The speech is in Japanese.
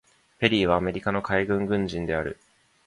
ペリーはアメリカの海軍軍人である。